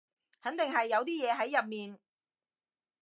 肯定係有啲嘢喺入面